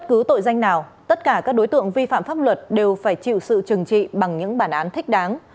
các đối tượng đều phải chịu sự trừng trị bằng những bản án thích đáng